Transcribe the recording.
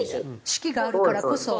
四季があるからこそ。